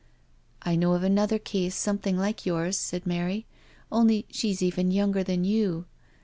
" I know of another case something like yours," said Mary, " only she's even younger than you."